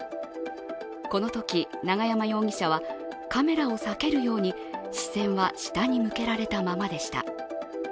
このとき、永山容疑者は、カメラを避けるように視線は下に向けられたままでした。